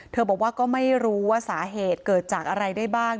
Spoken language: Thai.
บอกว่าก็ไม่รู้ว่าสาเหตุเกิดจากอะไรได้บ้าง